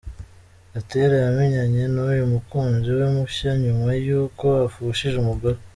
Gatera yamenyanye n’uyu mukunzi we mushya nyuma y’uko apfushije umugore.